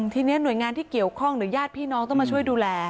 ทีนี้หน่วยงานที่เกี่ยวข้องหรือญาติพี่น้องต้องมาช่วยดูแล